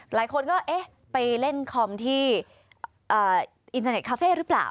หลายคนก็เอ๊ะไปเล่นคอมที่อินเทอร์เน็ตคาเฟ่หรือเปล่า